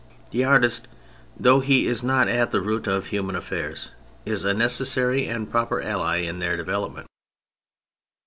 The artist, though he is not at the root of human affairs, is a necessary and proper ally in their development.